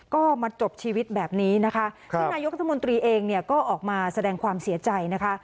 ก็มาจบชีวิตแบบนี้นะคะซึ่งนายกรัฐมนตรีเองเนี่ยก็ออกมาแสดงความเสียใจนะคะ